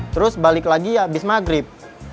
terus balik lagi habis maghrib